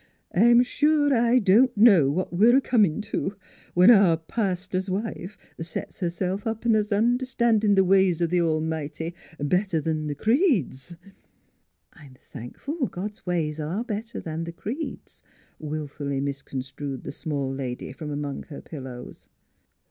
I'm sure I don't know what we're a comin' to when our paster's wife sets herself up as understandin' th' ways of the Almighty better 'an the creeds." " I'm thankful God's ways are better than the creeds," willfully misconstrued the small lady from amongst her pillows.